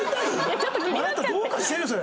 あなたどうかしてるよそれ。